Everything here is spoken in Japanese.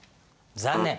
残念。